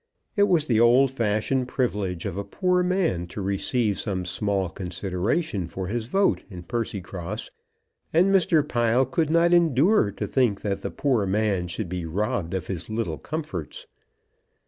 It was the old fashioned privilege of a poor man to receive some small consideration for his vote in Percycross, and Mr. Pile could not endure to think that the poor man should be robbed of his little comforts.